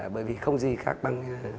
bởi vì không gì khác bằng